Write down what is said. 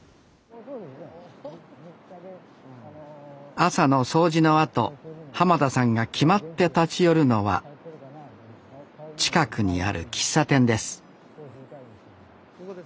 朝の掃除のあと田さんが決まって立ち寄るのは近くにある喫茶店です